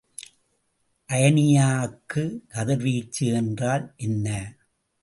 அயனியாக்கு கதிர்வீச்சு என்றால் என்ன?